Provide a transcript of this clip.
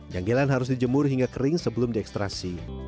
canggilan harus dijemur hingga kering sebelum diekstrasi